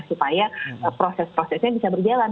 supaya proses prosesnya bisa berjalan